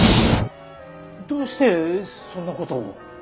どうしてそんなことを。